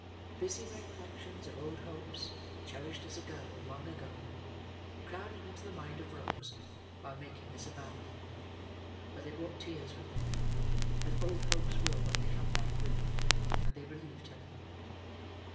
Busy recollections of old hopes, cherished as a girl, long ago, crowded into the mind of Rose, while making this avowal; but they brought tears with them, as old hopes will when they come back withered; and they relieved her.